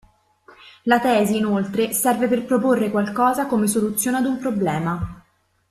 La tesi inoltre serve per proporre qualcosa come soluzione ad un problema